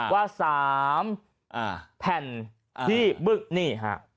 ว่า๓แผ่นที่บึ้งนี้